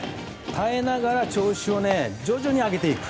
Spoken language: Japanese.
耐えながら調子を徐々に上げていく。